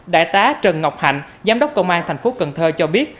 đại tá trần ngọc hạnh giám đốc công an thành phố cần thơ cho biết